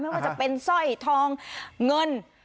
ไม่ว่าจะเป็นสร้อยทองเงิน